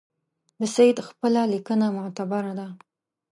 د سید خپله لیکنه معتبره ده.